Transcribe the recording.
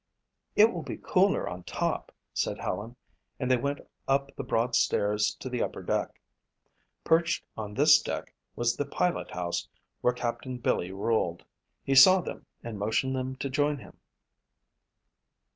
"It will be cooler on top," said Helen and they went up the broad stairs to the upper deck. Perched on this deck was the pilot house where Captain Billy ruled. He saw them and motioned them to join him.